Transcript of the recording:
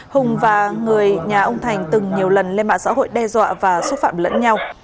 hùng và người nhà ông thành từng nhiều lần lên mạng xã hội đe dọa và xúc phạm lẫn nhau